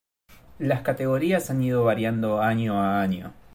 Las categorías han ido variando año a año.